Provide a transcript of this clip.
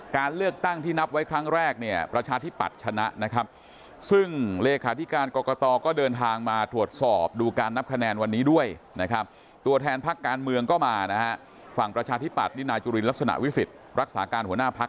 การเลือกตั้งนี้จะนับไว้ครั้งแรกปรัชฌาภิปัติชนะนะครับ